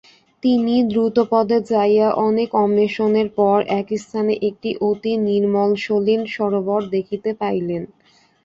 তিনি দ্রুতপদে যাইয়া অনেক অন্বেষণের পর একস্থানে একটি অতি নির্মলসলিল সরোবর দেখিতে পাইলেন।